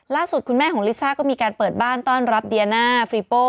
คุณแม่ของลิซ่าก็มีการเปิดบ้านต้อนรับเดียน่าฟรีโป้